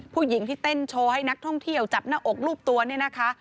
ผู้หญิงที่เต้นโชว์ให้นักท่องเที่ยวจับหน้าอกรูปตัวเนี่ยนะคะ